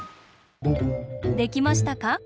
できましたか？